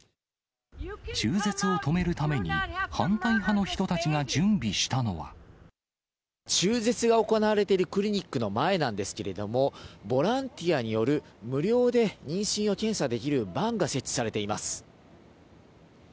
中絶を止めるために、中絶が行われているクリニックの前なんですけれども、ボランティアによる、無料で妊娠を検査できるバンが設置されています。